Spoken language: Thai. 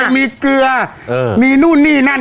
มีเกลือมีนู่นนี่นั่น